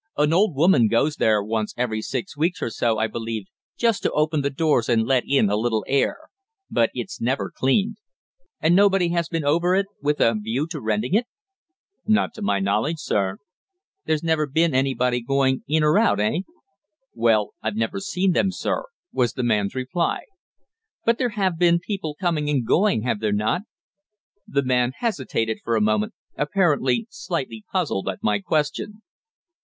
An old woman goes there once every six weeks or so, I believe, just to open the doors and let in a little air. But it's never cleaned." "And nobody has been over it with a view to renting it?" "Not to my knowledge, sir." "There's never been anybody going in or out eh?" "Well, I've never seen them, sir," was the man's reply. "But there have been people coming and going, have there not?" The man hesitated for a moment, apparently slightly puzzled at my question.